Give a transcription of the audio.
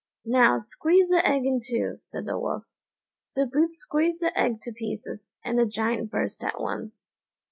"Now, squeeze the egg in two," said the Wolf. So Boots squeezed the egg to pieces, and the Giant burst at once.